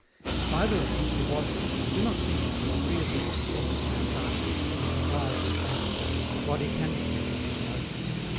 If either of these be wanting, I do not think that, agreeably to the sense of mankind, or the propriety of language, a body can be said to be in motion.